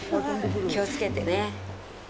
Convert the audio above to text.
気をつけてね。